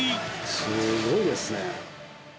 すごいですね。